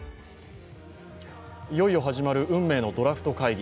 いよいよ始まる運命のドラフト会議。